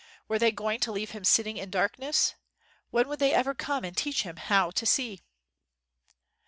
Were they going to leave him "sit ting in darkness ''% When would they ever come to teach him "how to see"?